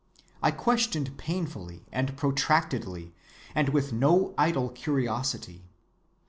I questioned painfully and protractedly and with no idle curiosity.